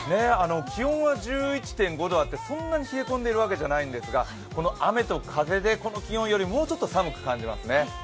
気温は１１．５度あってそんなに冷え込んでいるわけじゃないんですが、この雨と風でこの気温よりもうちょっと寒く感じますね。